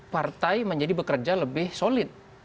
partai menjadi bekerja lebih solid